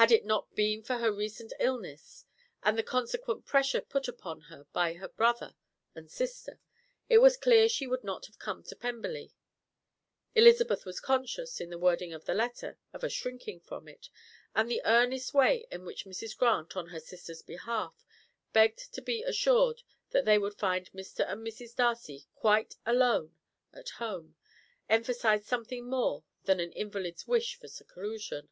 Had it not been for her recent illness, and the consequent pressure put upon her by her brother and sister, it was clear she would not have come to Pemberley; Elizabeth was conscious, in the wording of the letter, of a shrinking from it, and the earnest way in which Mrs. Grant, on her sister's behalf, begged to be assured that they would find Mr. and Mrs. Darcy quite alone at home, emphasized something more than an invalid's wish for seclusion.